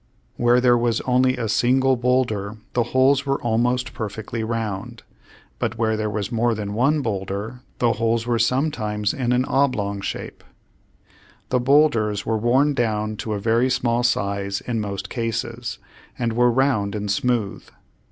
Where there was only a single bowlder the holes were almost perfectly round, but where there was more than one bowlder the holes were sometimes in an oblong shape. The bowlders were worn down to a very small size in most cases, and were round and smooth.